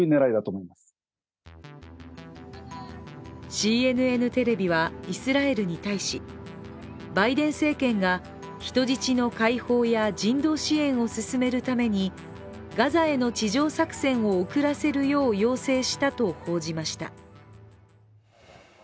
ＣＮＮテレビはイスラエルに対しバイデン政権が人質の解放や人道支援を進めるためにガザへの地上作戦を遅らせるよう要請したと報じました。